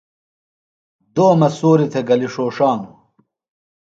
دومہ سُوریۡ تھےۡ گلیۡ ݜوݜانوۡ۔